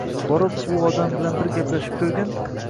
Borib, u odam bilan bir gaplashib ko`rgin